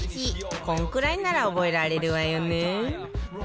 こんくらいなら覚えられるわよね